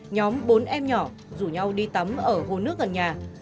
nhóm bốn em nhỏ rủ nhau đi tắm ở hồ nước gần nhà